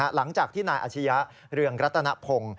หลังจากที่นายอาชียะเรืองรัตนพงศ์